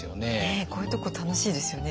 こういうとこ楽しいですよね。